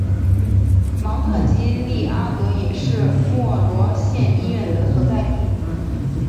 芒特吉利阿德也是莫罗县医院的所在地。